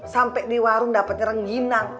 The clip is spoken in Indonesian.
sampai di warung dapat nyerang ginang